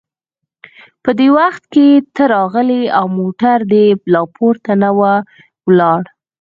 په دې وخت کې ته راغلې او موټر دې لا پوره نه و ولاړ.